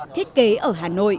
thiết kế ở hà nội